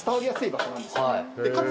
かつ。